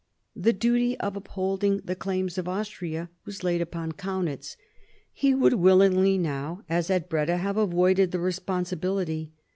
The duty of upholding the claims of Austria was laid upon Kaunitz. He would willingly now, as at Breda, have avoided the responsibility.